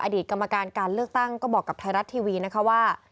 กรรมการการเลือกตั้งก็บอกกับไทยรัฐทีวีนะคะว่า